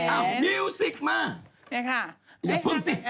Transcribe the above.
ตรงนี้แสงส่องเต้นใหม่